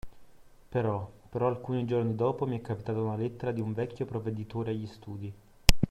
Però, però alcuni giorni dopo mi è capitata una lettera di un vecchio Provveditore agli studi